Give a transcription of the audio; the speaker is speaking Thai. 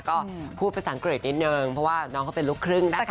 ก็พูดภาษาอังกฤษนิดนึงเพราะว่าน้องเขาเป็นลูกครึ่งนะคะ